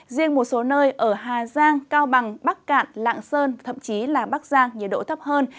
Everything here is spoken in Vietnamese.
riêng một số nơi ở hà giang cao bằng bắc cạn lạng sơn thậm chí là bắc giang nhiệt độ thấp hơn